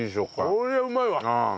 こりゃうまいわ。